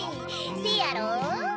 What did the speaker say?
せやろ？